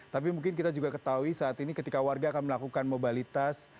tapi mungkin kita juga ketahui saat ini ketika warga akan melakukan mobilitas